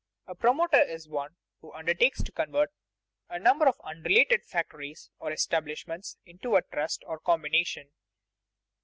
_ A promoter is one who undertakes to convert a number of unrelated factories, or establishments, into a trust, or combination.